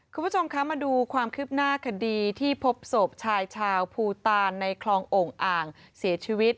คุณผู้ชมคะมาดูความคืบหน้าคดีที่พบศพชายชาวภูตานในคลองโอ่งอ่างเสียชีวิต